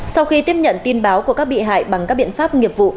sau khi tiếp nhận tin báo của các bị hại bằng các biện pháp nghiệp vụ